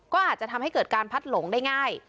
ก็อาจจะทำให้เกิดการพัดหลงได้ง่าย